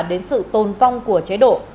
đến sự tồn vong của chế độ